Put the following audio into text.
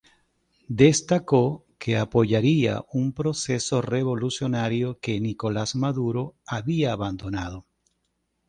Destacó que apoyaría un proceso revolucionario que Nicolás Maduro había abandonado.